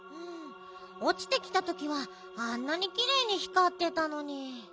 おちてきたときはあんなにきれいにひかってたのに。